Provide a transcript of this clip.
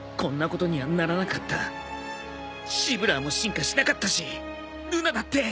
シブラーも進化しなかったしルナだって。